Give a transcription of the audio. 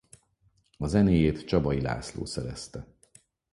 A zenéjét Csabai László szerezte.